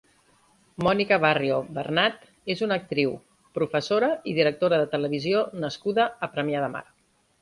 Mònica Barrio Bernat és una actriu, professora i directora de televisió nascuda a Premià de Mar.